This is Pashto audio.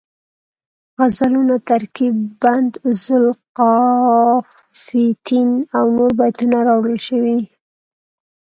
غزلونه، ترکیب بند ذوالقافیتین او نور بیتونه راوړل شوي